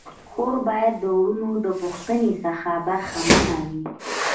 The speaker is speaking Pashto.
خور باید د وروڼو د پوښتني څخه برخه منه وي.